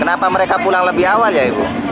kenapa mereka pulang lebih awal ya ibu